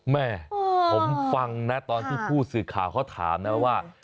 แม่ผมฟังนะตอนที่ผู้สื่อข่าวเขาถามนะว่า